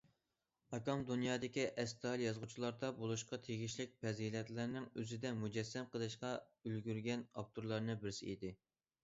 ئاكام دۇنيادىكى ئەستايىدىل يازغۇچىلاردا بولۇشقا تېگىشلىك پەزىلەتلەرنى ئۆزىدە مۇجەسسەم قىلىشقا ئۈلگۈرگەن ئاپتورلارنىڭ بىرسى ئىدى.